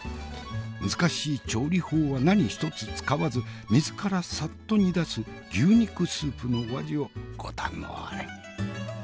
難しい調理法は何一つ使わず水からさっと煮出す牛肉スープのお味をご堪能あれ！